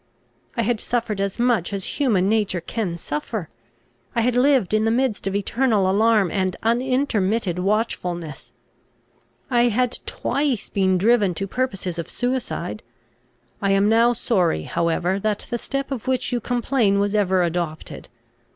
I had suffered as much as human nature can suffer; I had lived in the midst of eternal alarm and unintermitted watchfulness; I had twice been driven to purposes of suicide. I am now sorry however, that the step of which you complain was ever adopted.